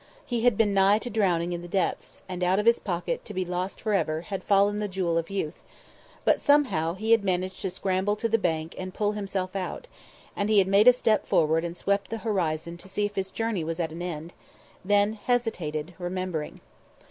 He had been nigh to drowning in the depths, and out of his pocket, to be lost for ever, had fallen the jewel of youth; but somehow he had managed to scramble to the bank and to pull himself out, and he made a step forward and swept the horizon to see if his journey was at an end; then hesitated remembering.